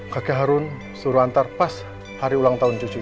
kakek harun suruh hantar pas hari ulang tahun cucunya